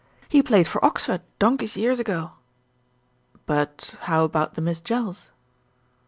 He played for Oxford donkeys years ago." "But how about the Miss Jells?"